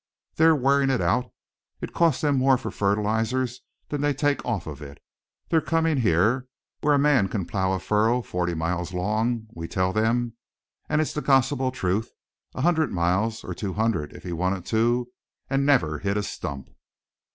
They're wearing it out, it costs them more for fertilizers than they take off of it. They're coming here, where a man can plow a furrow forty miles long, we tell them and it's the gospel truth, a hundred miles, or two hundred if he wanted to and never hit a stump."